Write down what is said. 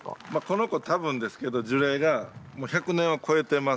この子多分ですけど樹齢がもう１００年は超えてますね。